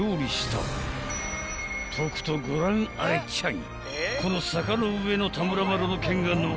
［とくとご覧あれちゃい］